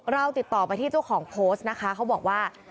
ติดต่อไปที่เจ้าของโพสต์นะคะเขาบอกว่า